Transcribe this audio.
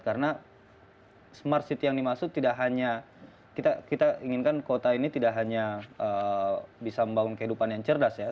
karena smart city yang dimaksud tidak hanya kita inginkan kota ini tidak hanya bisa membangun kehidupan yang cerdas ya